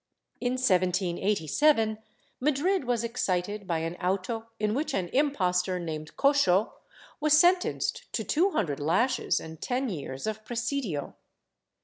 In 1787, Madrid was excited by an auto in which an impostor named Coxo was sentenced to two hundred lashes and ten years of presidio.